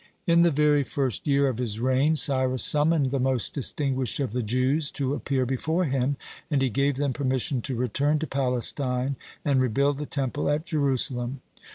In the very first year of his reign, Cyrus summoned the most distinguished of the Jews to appear before him, and he gave them permission to return to Palestine and rebuild the Temple at Jerusalem.